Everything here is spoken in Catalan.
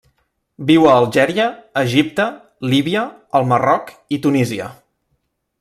Viu a Algèria, Egipte, Líbia, el Marroc i Tunísia.